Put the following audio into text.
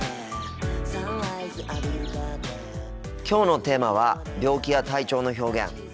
今日のテーマは病気や体調の表現。